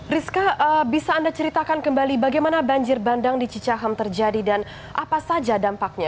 rizka bisa anda ceritakan kembali bagaimana banjir bandang di cicahem terjadi dan apa saja dampaknya